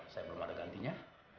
saya belum ada gantinya